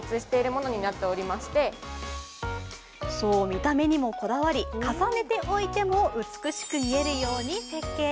見た目にもこだわり、重ねて置いても美しく見えるように設計。